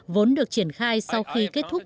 vốn được triển khai sau khi kết thúc